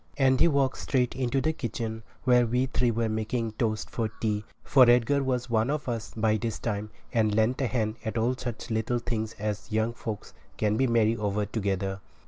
And he walked straight into the kitchen where we three were making toast for tea, for Edgar was one of us by this time, and lent a hand at all such little things as young folks can be merry over together.